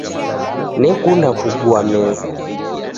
Nekunda kugua meza